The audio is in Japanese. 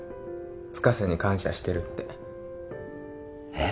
深瀬に感謝してるってえッ？